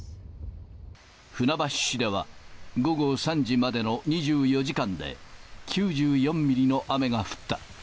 船橋市では、午後３時までの２４時間で、９４ミリの雨が降った。